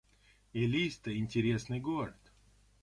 Элиста — интересный город